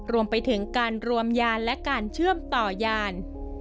รวมไปถึงการรวมยานและการเชื่อมต่อยาน